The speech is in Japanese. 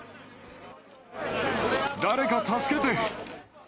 誰か助けて。